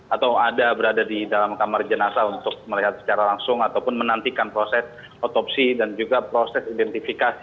atau ada berada di dalam kamar jenazah untuk melihat secara langsung ataupun menantikan proses otopsi dan juga proses identifikasi